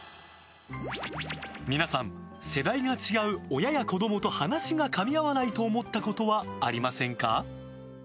皆さん、世代が違う親や子供と話がかみ合わないと思ったことはありませんか？